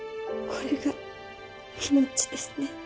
これが命ですね。